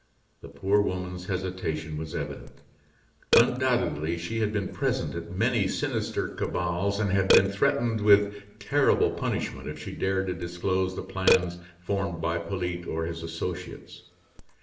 The poor woman's hesitation was evident; undoubtedly she had been present at many sinister cabals, and had been threatened with terrible punishment if she dared to disclose the plans formed by Polyte or his associates.